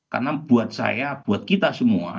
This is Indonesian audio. karena buat saya buat kita semua